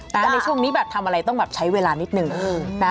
แต่ในช่วงนี้แบบทำอะไรต้องแบบใช้เวลานิดนึงนะ